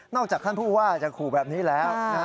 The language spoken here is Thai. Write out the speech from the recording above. จากท่านผู้ว่าจะขู่แบบนี้แล้ว